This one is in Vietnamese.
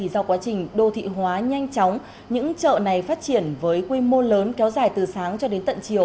do quá trình đô thị hóa nhanh chóng những chợ này phát triển với quy mô lớn kéo dài từ sáng cho đến tận chiều